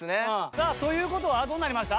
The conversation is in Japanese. さあという事はどうなりました？